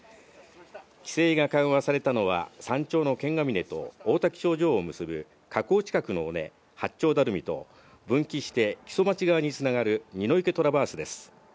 規制が緩和されたのは、山頂の剣ヶ峰と王滝頂上を結ぶ火口近くの尾根、八丁ダルミと、分岐して木曽町側につながる二ノ池トラバースです。